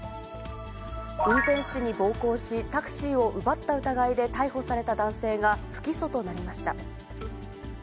運転手に暴行し、タクシーを奪った疑いで逮捕された男性が、不起訴となりました。